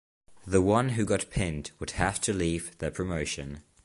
The one who got pinned would have to leave the promotion.